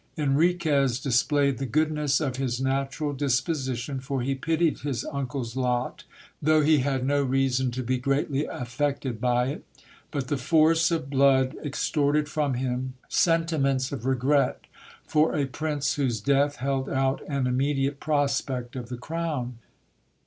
Enriquez displayed the goodness of his natural disposition, for he pitied his uncle's lot, though he had no reason to be greatly affected by it ; but the force of blood extorted from him sentiments of regret for a prince whose death held out an immediate prospect of the crown.